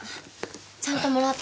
ちゃんともらった。